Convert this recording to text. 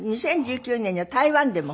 ２０１９年には台湾でも。